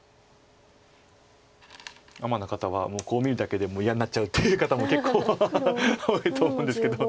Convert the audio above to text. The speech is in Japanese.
アマの方はもうコウ見るだけでも嫌になっちゃうっていう方も結構多いと思うんですけど。